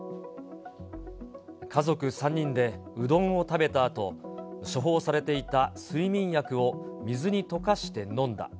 家族３人でうどんを食べたあと、処方されていた睡眠薬を水に溶かして飲んだ。